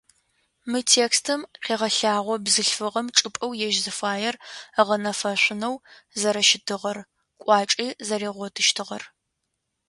Мы текстым къегъэлъагъо бзылъфыгъэм чӏыпӏэу ежь зыфаер ыгъэнэфэшъунэу зэрэщытыгъэр, кӏуачӏи зэригъотыщтыгъэр.